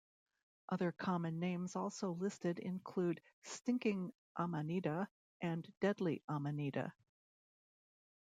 Other common names also listed include "stinking amanita" and "deadly amanita".